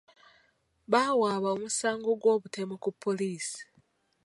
Baawaaba omusango gw'obutemu ku poliisi.